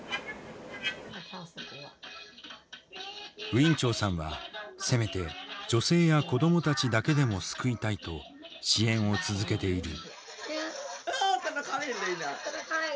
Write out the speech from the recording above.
ウィン・チョウさんはせめて女性や子供たちだけでも救いたいと支援を続けている。